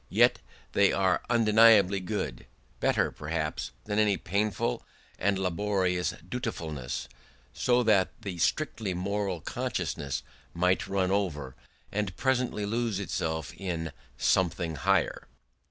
Yet they were undeniably good; better, perhaps, than any painful and laborious dutifulness; so that the strictly moral consciousness might run over, and presently lose itself in "something higher".